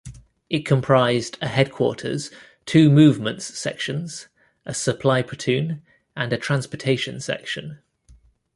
It comprised a headquarters, two movements sections, a supply platoon and a transportation section.